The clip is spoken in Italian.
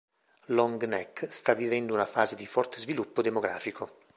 Long Neck sta vivendo una fase di forte sviluppo demografico.